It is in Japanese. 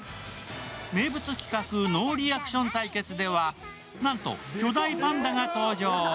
名物企画、ノーリアクション対決でなんと巨大パンダが登場。